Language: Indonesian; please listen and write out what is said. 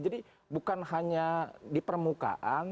jadi bukan hanya di permukaan